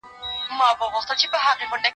زه به اوږده موده کتابونه وړلي وم!؟